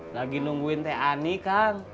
lagi nungguin teh ani kang